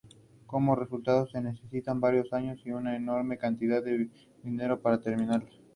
Como resultado, se necesitan varios años y una enorme cantidad de dinero para terminarla.